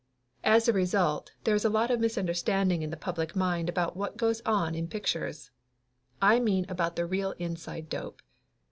As a result there is a lot of misunderstanding in the public mind about what goes on in pictures. I mean about the real inside dope.